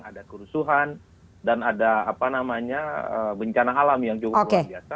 ada kerusuhan dan ada bencana alam yang cukup luar biasa